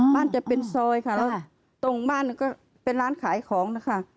จะเป็นซอยค่ะแล้วตรงบ้านก็เป็นร้านขายของนะคะ